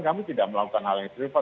kami tidak melakukan hal yang serius pak